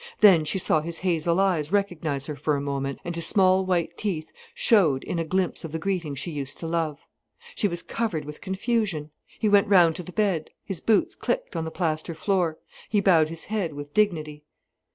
Then she saw his hazel eyes recognize her for a moment, and his small white teeth showed in a glimpse of the greeting she used to love. She was covered with confusion. He went round to the bed; his boots clicked on the plaster floor, he bowed his head with dignity.